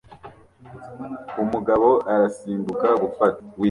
Umugabo arasimbuka gufata